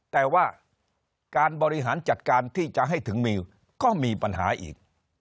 แต่ว่าการบริหารจัดการที่จะให้ถึงมิวก็มีปัญหาอีก